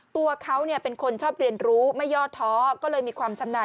ตัวเขาเป็นคนชอบเรียนรู้ไม่ย่อท้อก็เลยมีความชำนาญ